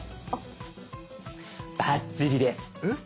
バッチリです。え？